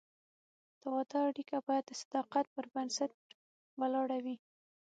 د واده اړیکه باید د صداقت پر بنسټ ولاړه وي.